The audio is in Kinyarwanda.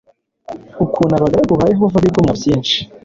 ukuntu abagaragu ba Yehova bigomwa byinshi.